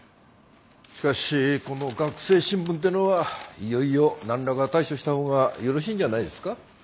しかしこの学生新聞てのはいよいよ何らか対処した方がよろしいんじゃないですか。